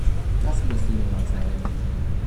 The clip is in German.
Das musst du mir mal zeigen.